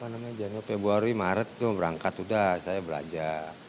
nah januari februari maret gue berangkat udah saya belanja